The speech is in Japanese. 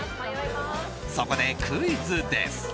そこで、クイズです。